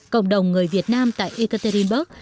cộng đồng người việt nam tại ekaterinburg